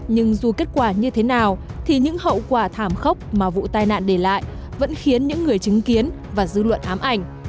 nhưng dù kết quả như thế nào thì những hậu quả thảm khốc mà vụ tai nạn để lại vẫn khiến những người chứng kiến và dư luận ám ảnh